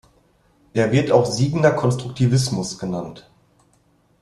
Er wird auch "Siegener Konstruktivismus" genannt.